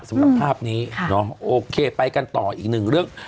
สำหรับภาพนี้โอเคไปกันต่ออีกหนึ่งเรื่อง